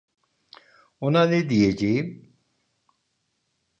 Ona ne diyeceğim?